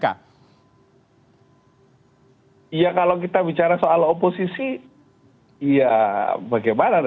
ya kalau kita bicara soal oposisi ya bagaimana